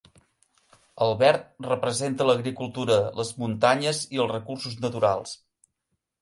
El verd representa l'agricultura, les muntanyes i els recursos naturals.